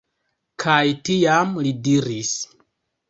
Kaj tiam li diris: